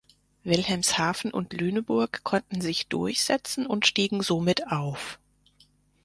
Wilhelmshaven und Lüneburg konnten sich durchsetzen und stiegen somit auf.